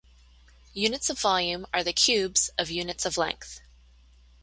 Units of volume are the cubes of units of length.